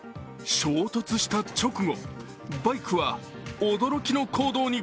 衝突した直後、バイクは驚きの行動に。